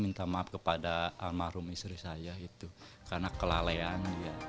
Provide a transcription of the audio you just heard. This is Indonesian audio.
minta maaf kepada almarhum istri saya itu karena kelalaian